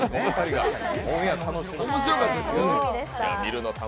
面白かったですけど。